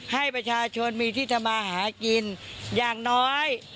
ให้ประชาชนมีที่ทำมาหากินอย่างน้อย